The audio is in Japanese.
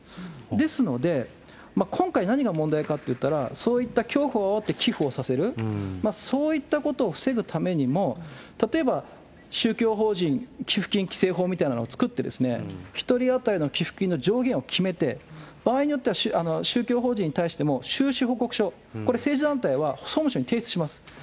ですので、今回、何が問題かっていったら、そういった恐怖をあおって寄付をさせる、そういったことを防ぐためにも、例えば、宗教法人寄付金規制法みたいなのを作って、１人当たりの寄付金の上限を決めて、場合によっては、宗教法人に対しても収支報告書、これ、政治団体は総務省に提出します。